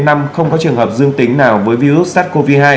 năm không có trường hợp dương tính nào với virus sars cov hai